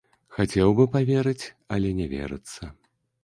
Хацеў бы паверыць, але не верыцца.